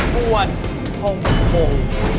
หมวดทงโบร์น